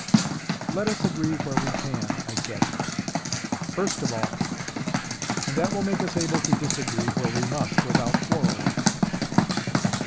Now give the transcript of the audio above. "Let us agree where we can," I said, "first of all; and that will make us able to disagree, where we must, without quarrelling."